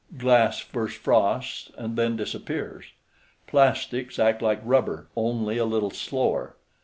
Glass first frosts and then disappears. Plastics act like rubber, only a little slower.